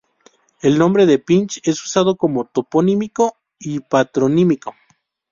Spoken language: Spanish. El nombre de Pich es usado como toponímico y patronímico.